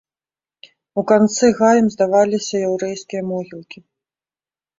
У канцы гаем здаваліся яўрэйскія могілкі.